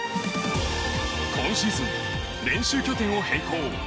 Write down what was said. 今シーズン、練習拠点を変更。